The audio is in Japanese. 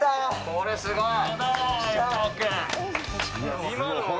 これすごい！